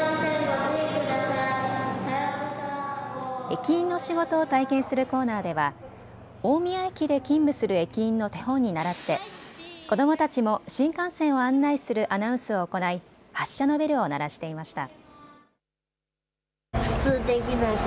駅員の仕事を体験するコーナーでは大宮駅で勤務する駅員の手本にならって子どもたちも新幹線を案内するアナウンスを行い、発車のベルを鳴らしていました。